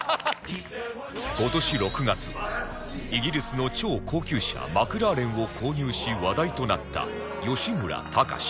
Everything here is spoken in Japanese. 今年６月イギリスの超高級車マクラーレンを購入し話題となった吉村崇